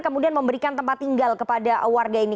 kemudian memberikan tempat tinggal kepada warga ini